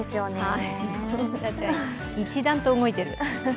Ｂｏｏｎａちゃん、一段と動いてる。